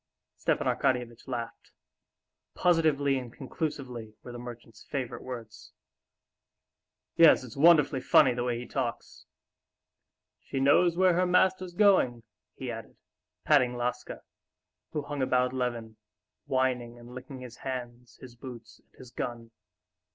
'" Stepan Arkadyevitch laughed. "Positively and conclusively" were the merchant's favorite words. "Yes, it's wonderfully funny the way he talks. She knows where her master's going!" he added, patting Laska, who hung about Levin, whining and licking his hands, his boots, and his gun.